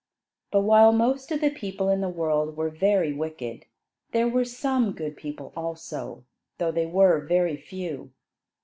But while most of the people in the world were very wicked, there were some good people also, though they were very few.